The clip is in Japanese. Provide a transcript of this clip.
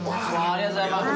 ありがとうございます。